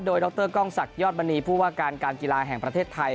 โดยดรกล้องศักดิยอดมณีผู้ว่าการการกีฬาแห่งประเทศไทย